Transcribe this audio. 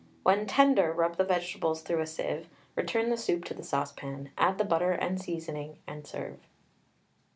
When tender, rub the vegetables through a sieve, return the soup to the saucepan, add the butter and seasoning, and serve.